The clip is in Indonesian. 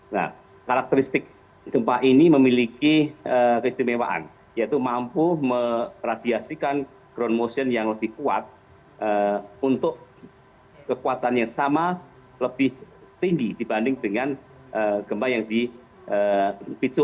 nah karakteristik gempa ini memiliki keistimewaan yaitu mampu meradiasikan ground motion yang lebih kuat untuk kekuatan yang sama lebih tinggi dibanding dengan gempa yang dipicu